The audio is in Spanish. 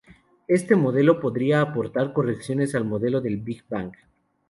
Este modelo podría aportar correcciones al modelo del Big Bang.